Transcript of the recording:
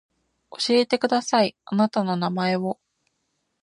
教えてくださいあなたの名前を